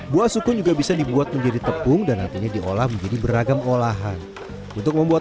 buah sukun juga bisa dibuat menjadi tepung dan nantinya diolah menjadi beragam olahan untuk membuat